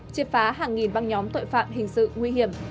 triệt phá hàng nghìn băng nhóm tội phạm hình sự nguy hiểm